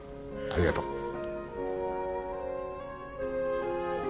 ありがとう。